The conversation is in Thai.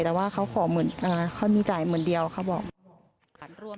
แต่ว่าเขามีจ่ายหมื่นเดียวครับผม